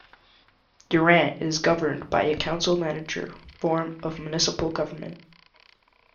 Durant is governed by a council-manager form of municipal government.